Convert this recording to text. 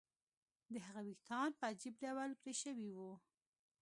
د هغه ویښتان په عجیب ډول پرې شوي وو